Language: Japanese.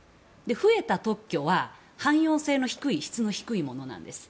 増えた特許は汎用性の低い質の低いものなんです。